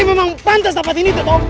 ini memang pantas dapat ini toto